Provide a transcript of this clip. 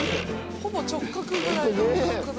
ほぼ直角ぐらいの角度。